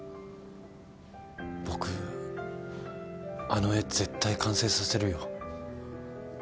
あの絵絶対完成させるよ。